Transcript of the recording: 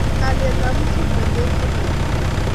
Kaliet ab musongnotet komakat